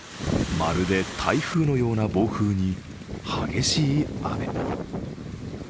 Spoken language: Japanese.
まるで台風のような暴風に激しい雨。